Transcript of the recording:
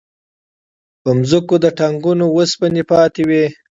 په ځمکو کې د ټانکونو وسپنې پاتې وې